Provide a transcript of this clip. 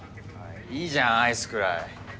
いいじゃんアイスくらい。